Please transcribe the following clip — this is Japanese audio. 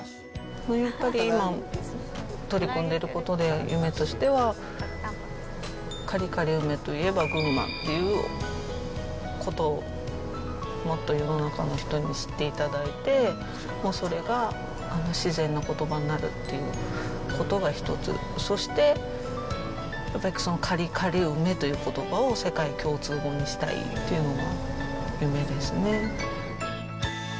やっぱり今取り組んでいることで、夢としては、カリカリ梅といえば群馬っていうことを、もっと世の中の人に知っていただいて、それが自然なことばになるっていうことが１つ、そして、やっぱりカリカリ梅ということばを、世界共通語にしたいっていうのが夢ですね。